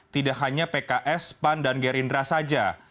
tidak hanya pks pan dan gerindra saja